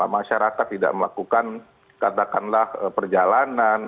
masyarakat tidak melakukan katakanlah perjalanan